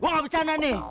gue ga bercanda nih